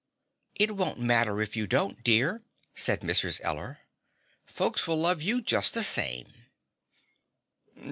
"It won't matter if you don't, dear," said Mrs. Eller. "Folks will love you just the same."